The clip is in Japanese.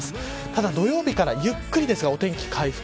ただ土曜日からゆっくりお天気が回復。